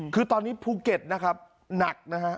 คือตอนนี้ภูเก็ตนะครับหนักนะฮะ